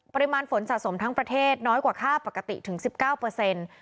ปริมาณฝนสะสมทั้งประเทศน้อยกว่าค่าปกติถึง๑๙เปอร์เซ็นต์